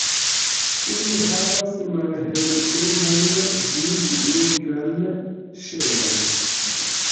Ili havas malhelbrunan ĝis nigran ŝelon.